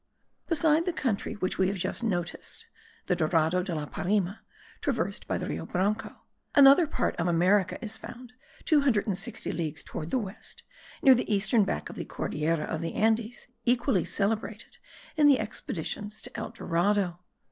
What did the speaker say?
Beside the country which we have just noticed (the Dorado de la Parime, traversed by the Rio Branco), another part of America is found, two hundred and sixty leagues toward the west, near the eastern back of the Cordillera of the Andes, equally celebrated in the expeditions to El Dorado.